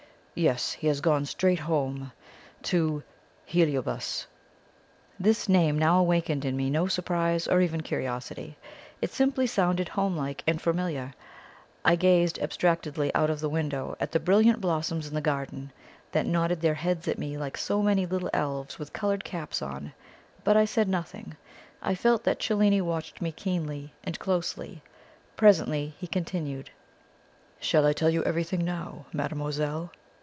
"Yes. He has gone straight home to Heliobas." This name now awakened in me no surprise or even curiosity. It simply sounded homelike and familiar. I gazed abstractedly out of the window at the brilliant blossoms in the garden, that nodded their heads at me like so many little elves with coloured caps on, but I said nothing. I felt that Cellini watched me keenly and closely. Presently he continued: "Shall I tell you everything now, mademoiselle?"